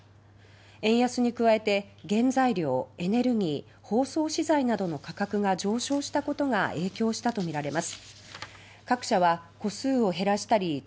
円安に加えて原材料エネルギー、包装資材などの価格が上昇したことが影響したとみられます。